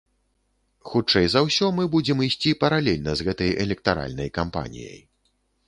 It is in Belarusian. Хутчэй за ўсё, мы будзем ісці паралельна з гэтай электаральнай кампаніяй.